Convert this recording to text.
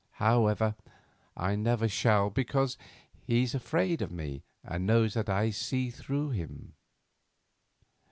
However, I never shall, because he's afraid of me and knows that I see through him."